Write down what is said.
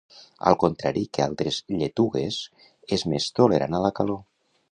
Al contrari que altres lletugues, és més tolerant a la calor.